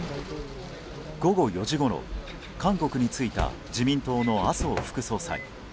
午後４時ごろ、韓国に着いた自民党の麻生副総裁。